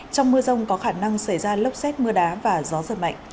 trong mưa rông có khả năng xảy ra lốc xét mưa đá và gió giật mạnh